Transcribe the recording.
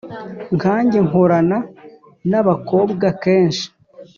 Nkange nkorana n’abakobwa kenshi